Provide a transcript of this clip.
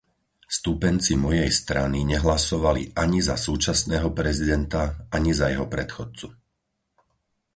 Stúpenci mojej strany nehlasovali ani za súčasného prezidenta, ani za jeho predchodcu.